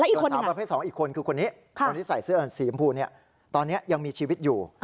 ส่วนสาวประเภท๒อีกคนคือคนนี้คนที่ใส่เสื้อสีชมพูตอนนี้ยังมีชีวิตอยู่